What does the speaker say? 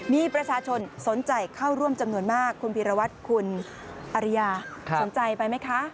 มีประชาชนสนใจเข้าร่วมจำนวนมากคุณพีรวัตรคุณอริยาสนใจไปไหมคะ